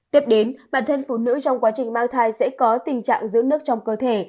tiếp đến bản thân phụ nữ trong quá trình mang thai sẽ có tình trạng giữ nước trong cơ thể